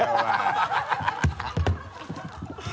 ハハハ